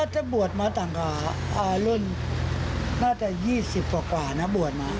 ก็ถ้าบวชมาต่างการรุ่นน่าจะ๒๐กว่ากว่านะบวชมา